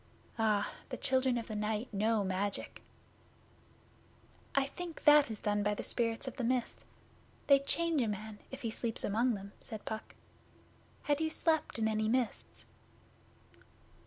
Ah! The Children of the Night know magic.' 'I think that is done by the Spirits of the Mist. They change a man, if he sleeps among them,' said Puck. 'Had you slept in any mists?